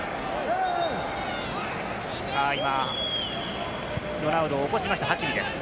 今、ロナウドを起しました、ハキミです。